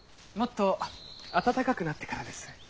もっと暖かくなってからです。